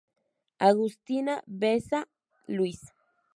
Agustina Bessa-Luís